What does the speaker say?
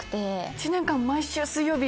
１年間毎週水曜日。